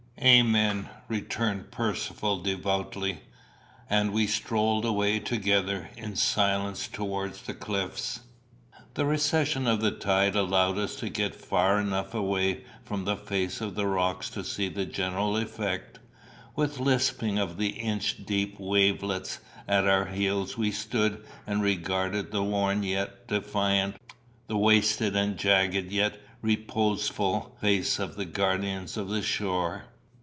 "Amen," returned Percivale devoutly; and we strolled away together in silence towards the cliffs. The recession of the tide allowed us to get far enough away from the face of the rocks to see the general effect. With the lisping of the inch deep wavelets at our heels we stood and regarded the worn yet defiant, the wasted and jagged yet reposeful face of the guardians of the shore.